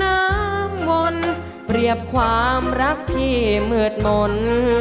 หายน้ำงนเปรียบความรักที่เหมือดมนต์